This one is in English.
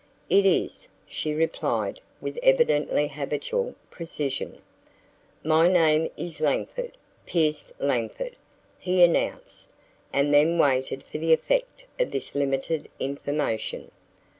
"It is," she replied with evidently habitual precision. "My name is Langford Pierce Langford," he announced, and then waited for the effect of this limited information.